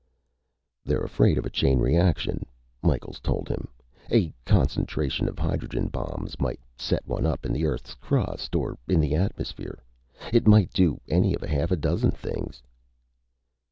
"They're afraid of a chain reaction," Micheals told him. "A concentration of hydrogen bombs might set one up in the Earth's crust or in the atmosphere. It might do any of half a dozen things."